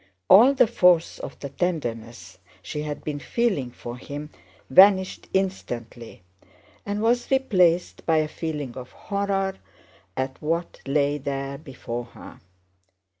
All the force of the tenderness she had been feeling for him vanished instantly and was replaced by a feeling of horror at what lay there before her.